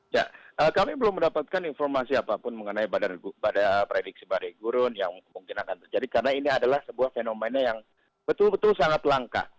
ya kami belum mendapatkan informasi apapun mengenai prediksi badai gurun yang kemungkinan akan terjadi karena ini adalah sebuah fenomena yang betul betul sangat langka